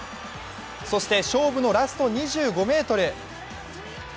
そして勝負のラスト２５ｍ。